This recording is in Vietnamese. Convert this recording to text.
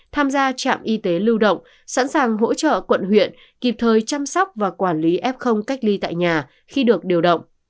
tham gia trạm y tế lưu động sẵn sàng hỗ trợ quận huyện kịp thời chăm sóc và quản lý f cách ly tại nhà khi được điều động